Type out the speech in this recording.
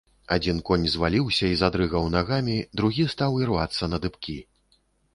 Адзін конь заваліўся і задрыгаў нагамі, другі стаў ірвацца на дыбкі.